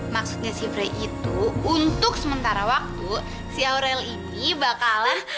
maksudnya si frey itu untuk sementara waktu si aurel ini bakalan